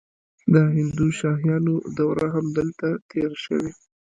د هندوشاهیانو دوره هم دلته تیره شوې